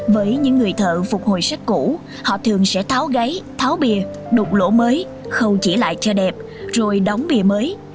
với những người thợ phục hồi sách cũ họ thường sẽ tháo gáy tháo bìa đục lỗ mới không chỉ lại cho đẹp rồi đóng bìa mới